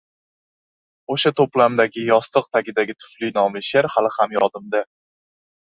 O‘sha to‘plamdagi “Yostiq tagidagi tufli” nomli she’r hali ham yodimda.